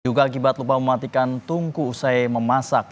juga akibat lupa mematikan tungku usai memasak